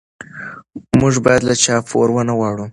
موږ باید له چا پور ونه غواړو.